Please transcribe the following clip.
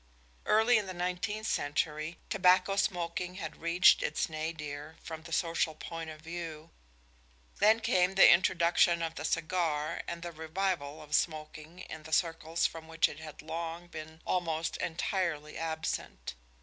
Early in the nineteenth century tobacco smoking had reached its nadir from the social point of view. Then came the introduction of the cigar and the revival of smoking in the circles from which it had long been almost entirely absent.